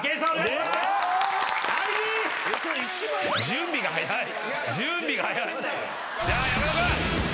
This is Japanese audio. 準備が早い。